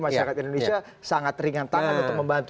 masyarakat indonesia sangat ringan tangan untuk membantu